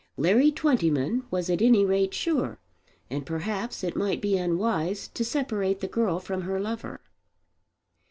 Larry Twentyman was at any rate sure; and perhaps it might be unwise to separate the girl from her lover.